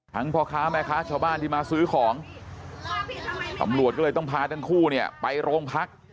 พ่อค้าแม่ค้าชาวบ้านที่มาซื้อของตำรวจก็เลยต้องพาทั้งคู่เนี่ยไปโรงพัก